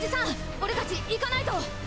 俺たち行かないと！